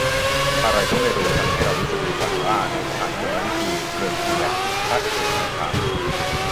อะไรก็ไม่รู้ทำให้เรารู้สึกในฝัน ว่านายทหารคนนั้นคือ เกริกเกียรติ พิพัทธ์เสรีธรรม